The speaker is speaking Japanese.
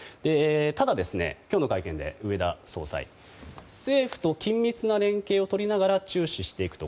ただ、今日の会見で植田総裁は政府と緊密な連携を取りながら注視していくと。